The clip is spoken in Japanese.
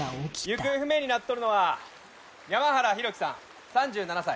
行方不明になっとるのは山原浩喜さん３７歳。